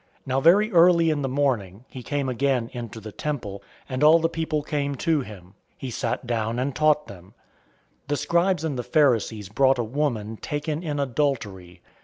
008:002 Now very early in the morning, he came again into the temple, and all the people came to him. He sat down, and taught them. 008:003 The scribes and the Pharisees brought a woman taken in adultery.